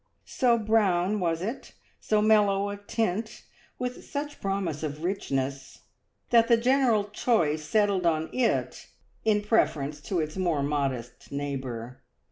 So brown was it, so mellow of tint, with such promise of richness, that the general choice settled on it in preference to its more modest neighbour.